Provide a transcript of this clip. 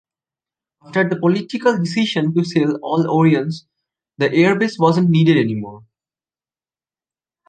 After the political decision to sell all Orions the airbase wasn't needed anymore.